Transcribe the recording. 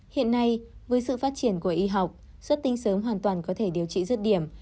hiện nay với sự phát triển của y học xuất tinh sớm hoàn toàn có thể điều trị rứt điểm